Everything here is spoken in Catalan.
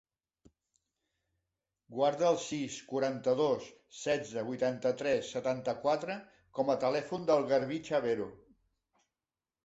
Guarda el sis, quaranta-dos, setze, vuitanta-tres, setanta-quatre com a telèfon del Garbí Chavero.